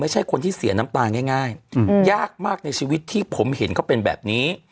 ไม่ใช่คนที่เสียน้ำตาง่ายยากมากในชีวิตที่ผมเห็นเขาเป็นแบบนี้